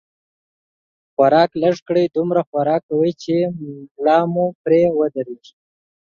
خوراک لږ کړئ، دومره خوراک کوئ، چې ملا مو پرې ودرېږي